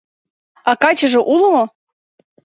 — А качыже уло мо?